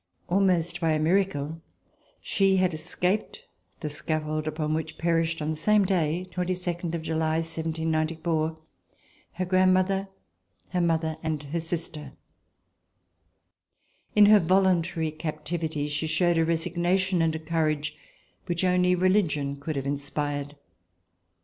Almost by a miracle, she had escaped the scaffold upon which perished on the same day, (22 July 1794), her grandmother, her mother and her sister. In her voluntary captivity, she showed a resignation and a courage which only religion could have inspired.